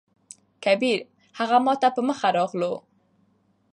کبير: هغه ماته په مخه راغلو.